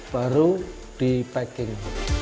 baru di packing